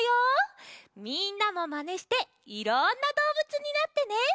みんなもマネしていろんなどうぶつになってね。